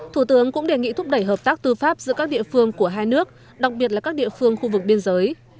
thủ tướng cũng đề nghị thúc đẩy hợp tác tư pháp giữa các địa phương của hai nước đặc biệt là các địa phương khu vực biên giới